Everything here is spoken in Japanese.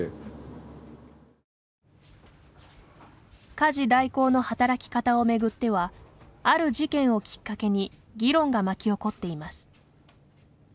家事代行の働き方を巡ってはある事件をきっかけに議論が巻き起こっています。